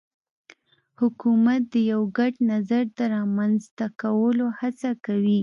حکومت د یو ګډ نظر د رامنځته کولو هڅه کوي